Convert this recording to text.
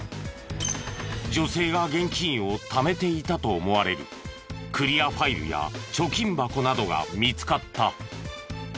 女性が現金をためていたと思われるクリアファイルや貯金箱などが見つかった。